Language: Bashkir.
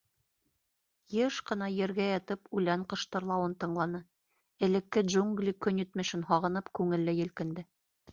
Йыш ҡына ергә ятып үлән ҡыштырлауын тыңланы, элекке джунгли көнитмешен һағынып, күңеле елкенде.